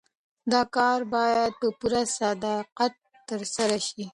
دا کار باید په پوره صداقت ترسره سي.